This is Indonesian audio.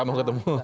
gak mau ketemu